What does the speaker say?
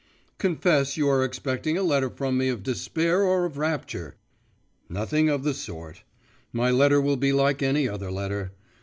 Confess you are expecting a letter from me of despair or of rapture!… Nothing of the sort. My letter will be like any other letter.